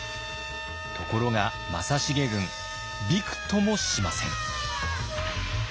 ところが正成軍びくともしません。